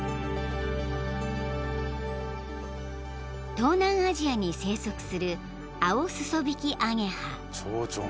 ［東南アジアに生息するアオスソビキアゲハ］